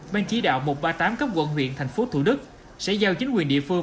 bang chỉ đạo một trăm ba mươi tám cấp quận huyện tp thủ đức sẽ giao chính quyền địa phương